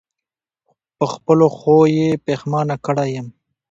په خپلو ښو یې پښېمانه کړی یم.